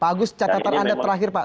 pak agus catatan anda terakhir pak